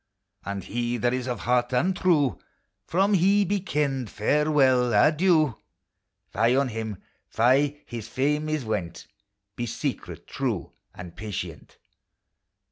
And he that is of heart untrue, From he be ken'd farewell! adieu! Fie on him ! fie! his fame is went: Be secret, true and patient!